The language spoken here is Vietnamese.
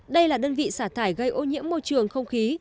đây là đơn vị xả thải gây ô nhiễm môi trường không khí